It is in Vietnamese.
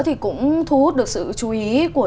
thì cũng thu hút được sự chú ý của